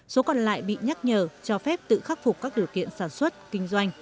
số còn lại bị nhắc nhở cho phép tự khắc phục các điều kiện sản xuất kinh doanh